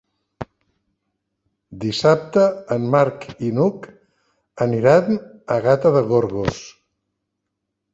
Dissabte en Marc i n'Hug aniran a Gata de Gorgos.